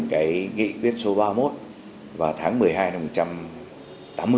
cái nghị quyết số ba mươi một vào tháng một mươi hai năm một nghìn chín trăm tám mươi